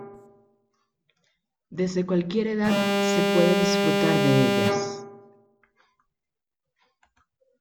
Desde cualquier edad se puede disfrutar de ellas.